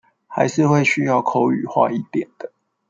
還是會需要口語化一點的